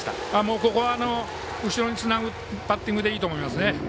ここは後ろにつなぐバッティングでいいと思いますね。